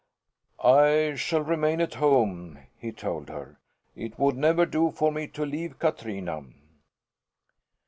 "I shall remain at home," he told her. "It would never do for me to leave Katrina."